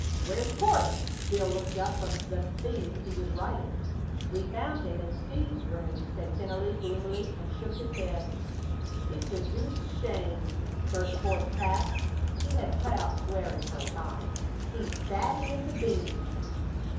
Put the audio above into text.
"Where's Court?" Bill looked up from the theme he was writing. "We found him in Steve's room," said Tennelly, gloomily, and shook his head. "It's a deuced shame!" burst forth Pat. (He had cut out swearing for a time.) "He's batty in the bean!"